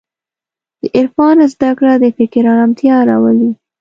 د عرفان زدهکړه د فکر ارامتیا راولي.